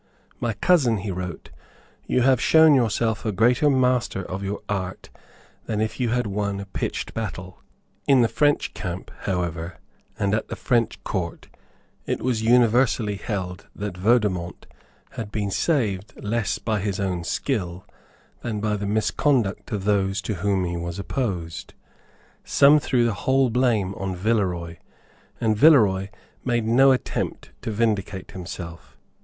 "My cousin," he wrote, "you have shown yourself a greater master of your art than if you had won a pitched battle." In the French camp, however, and at the French Court it was universally held that Vaudemont had been saved less by his own skill than by the misconduct of those to whom he was opposed. Some threw the whole blame on Villeroy; and Villeroy made no attempt to vindicate himself.